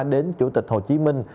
đến chủ tịch hồ chí minh